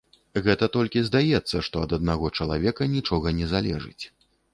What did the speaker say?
Гэта толькі здаецца, што ад аднаго чалавека нічога не залежыць.